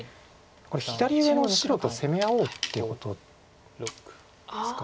これ左上の白と攻め合おうっていうことですか。